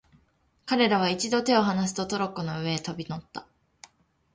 彼等は一度に手をはなすと、トロッコの上へ飛び乗った。